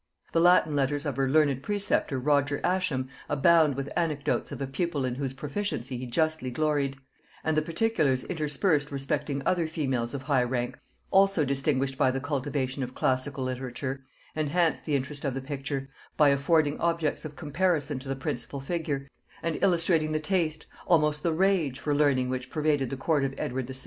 The Latin letters of her learned preceptor Roger Ascham abound with anecdotes of a pupil in whose proficiency he justly gloried; and the particulars interspersed respecting other females of high rank, also distinguished by the cultivation of classical literature, enhance the interest of the picture, by affording objects of comparison to the principal figure, and illustrating the taste, almost the rage, for learning which pervaded the court of Edward VI.